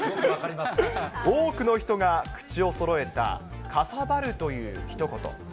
多くの人が口をそろえたかさばるというひと言。